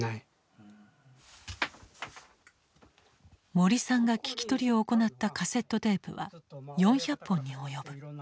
森さんが聞き取りを行ったカセットテープは４００本に及ぶ。